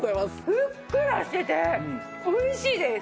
ふっくらしてて美味しいです！